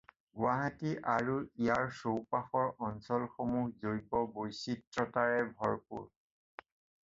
গুৱাহাটী আৰু ইয়াৰ চৌপাশৰ অঞ্চলসমূহ জৈৱ বৈচিত্ৰতাৰে ভৰপূৰ।